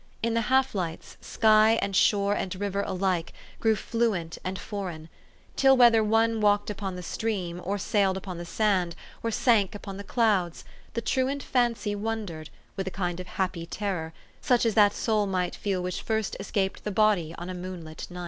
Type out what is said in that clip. In the half lights, sky and shore and river alike grew fluent and foreign, till whether one walked upon the stream, or sailed upon the sand, or sank upon the clouds, the truant fancy wondered, with a kind of happy terror, such as that soul might feel which first escaped the body on a moonlit night.